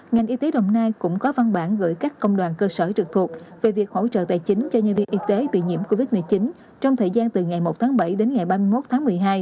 ngành y tế đồng nai cũng có văn bản gửi các công đoàn cơ sở trực thuộc về việc hỗ trợ tài chính cho nhân viên y tế bị nhiễm covid một mươi chín trong thời gian từ ngày một tháng bảy đến ngày ba mươi một tháng một mươi hai